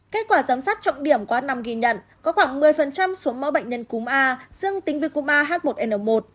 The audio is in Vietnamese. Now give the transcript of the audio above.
kết quả giám sát trọng điểm qua năm ghi nhận có khoảng một mươi số mẫu bệnh nhân cúm a dương tính với cúm ah một n một